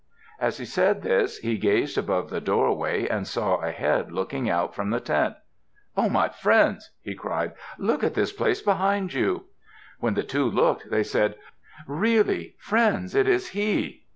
As he said this, he gazed above the doorway and saw a head looking out from the tent. "Oh! My friends!" he cried. "Look at this place behind you." When the two looked, they said, "Really! Friends, it is he!"